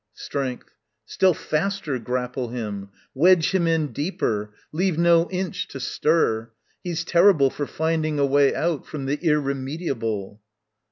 Strength. Still faster grapple him; Wedge him in deeper: leave no inch to stir. He's terrible for finding a way out From the irremediable.